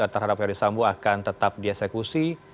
terhadap ferdis sambo akan tetap dieksekusi